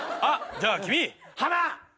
じゃあ君。